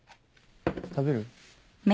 食べる？